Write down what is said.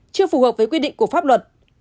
chưa phù hợp với quy định của pháp luật